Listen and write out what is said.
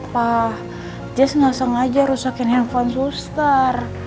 pa jess gak sengaja rusakin handphone suster